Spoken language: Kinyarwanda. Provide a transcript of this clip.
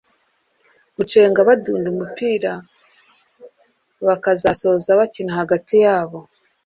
gucenga badunda umupira bakazasoza bakina hagati yabo